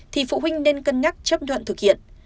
thì phụ huynh nên cân nhắc chấp thuận thực hiện